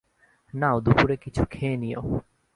নাও দুপুরে কিছু খেয়ে নিও।